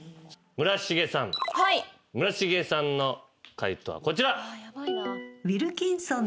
村重さんの解答はこちら。